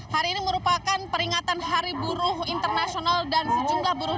hari ini merupakan peringatan hari buruh internasional dan sejumlah buruh